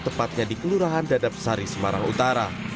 tepatnya di kelurahan dadap sari semarang utara